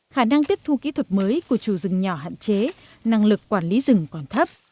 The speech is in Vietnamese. khả năng tiếp thu kỹ thuật mới của chủ rừng nhỏ hạn chế năng lực quản lý rừng còn thấp